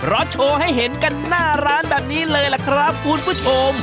โชว์ให้เห็นกันหน้าร้านแบบนี้เลยล่ะครับคุณผู้ชม